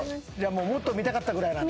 もっと見たかったぐらいなんだ。